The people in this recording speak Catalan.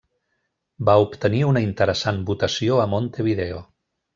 Va obtenir una interessant votació a Montevideo.